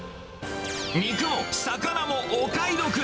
肉も魚もお買い得！